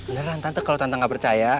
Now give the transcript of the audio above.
beneran tante kalau tante gak percaya